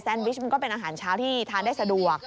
วิชมันก็เป็นอาหารเช้าที่ทานได้สะดวก